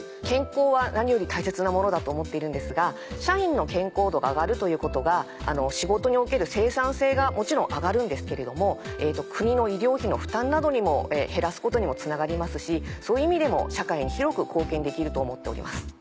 健康は何より大切なものだと思っているんですが社員の健康度が上がるということが仕事における生産性がもちろん上がるんですけれども国の医療費の負担などにも減らすことにつながりますしそういう意味でも社会に広く貢献できると思っております。